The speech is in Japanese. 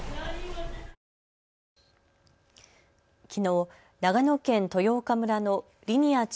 きのう長野県豊丘村のリニア